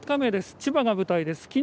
千葉が舞台です。